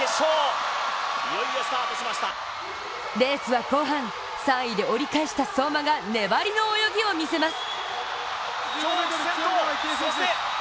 レースは後半、３位で折り返した相馬が粘りの泳ぎを見せます。